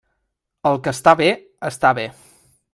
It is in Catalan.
El que està bé, està bé.